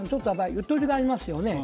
ゆとりがありますよね。